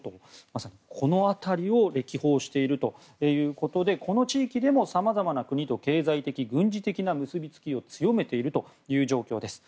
まさにこの辺りを歴訪しているということでこの地域でも、さまざまな国と経済的、軍事的な結びつきを強めているという状況です。